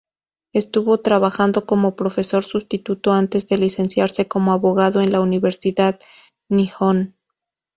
Estuvo trabajando como profesor sustituto antes de licenciarse como abogado en la Universidad Nihon.